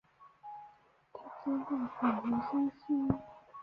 他之后返回山西。